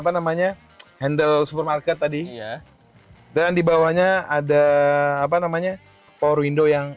apa namanya handle supermarket tadi ya dan dibawahnya ada apa namanya power window yang